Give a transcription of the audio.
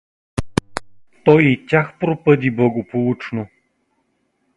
Той и тях пропъди благополучно.